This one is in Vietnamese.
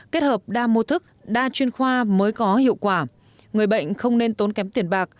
kết hợp đa mô thức đa chuyên khoa mới có hiệu quả người bệnh không nên tốn kém tiền bạc